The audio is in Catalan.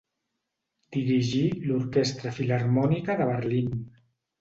Dirigí l'Orquestra Filharmònica de Berlín.